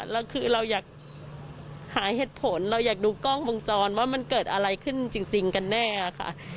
แล้วคือเราอยากหาเหตุผลเราอยากดูกล้องวงจรว่ามันเกิดอะไรขึ้นจริงกันแน่ค่ะ